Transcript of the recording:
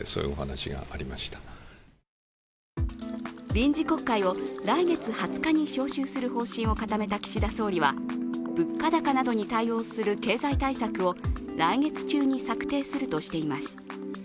臨時国会を来月２０日に召集する方針を固めた岸田総理は、物価高などに対応する経済対策を来月中に策定するとしています。